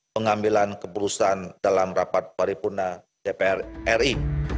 pengambilan keputusan dalam rapat paripurna dpr ri